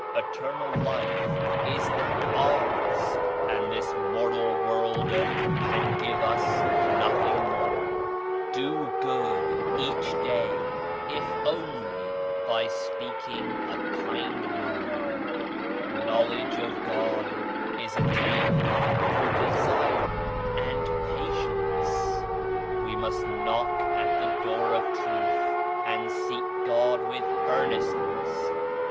Eternal Life is then ours and this mortal world can give us nothing more. Do good each day, if only by speaking a kind word. Knowledge of God is attained through Desire and Patience. We must knock at the Door of Truth and seek God with earnestness.